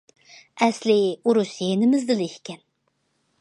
ئەسلى ئۇرۇش يېنىمىزدىلا ئىكەن.